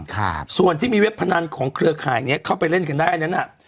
ครับส่วนที่มีเว็บพนันของเครือข่ายเนี้ยเข้าไปเล่นกันได้นั้นอ่ะ